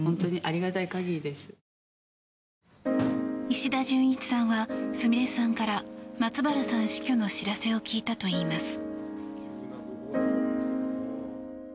石田純一さんはすみれさんから松原さん死去の知らせを聞いたといいます。